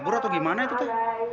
mau kabur atau gimana itu tuh